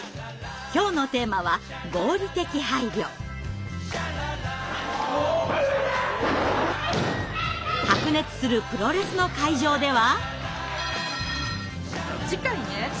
今日のテーマは白熱するプロレスの会場では。